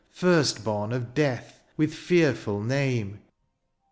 First bom of death, with fearful name.